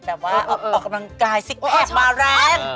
แต่ว่าออกกำลังกายซิกแพคมาแรง